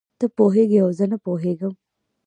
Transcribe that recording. ته پوهېږې او زه نه پوهېږم.